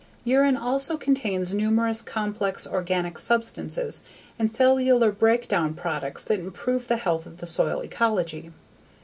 Urine also contains numerous complex organic substances and cellular breakdown products that improve the health of the soil ecology.